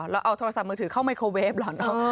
เราเอาโทรศัพท์มือถือเข้าไมโครเวฟเหรอเนอะ